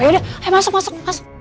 yaudah ayo masuk masuk